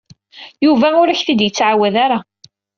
Yuba ur ak-t-id-yettɛawad ara.